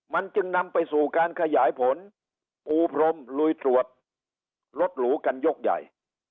มันจึงนำไปสู่การขยายผลปูพรมลุยตรวจรถหรูกันยกใหญ่